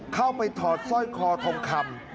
เข้าไปถอดสร้อยคอทองคำ